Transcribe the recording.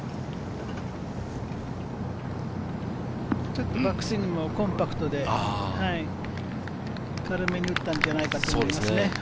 ちょっとバックスイングもコンパクトで、軽めに打ったんじゃないかなと思います。